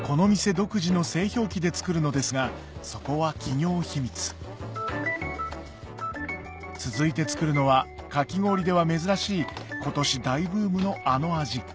独自の製氷機で作るのですがそこは企業秘密続いて作るのはかき氷では珍しい今年大ブームのあの味